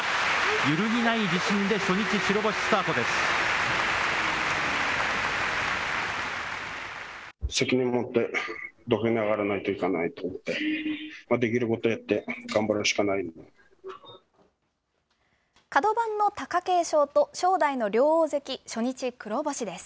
ゆるぎない自信で初日、白星スタートです。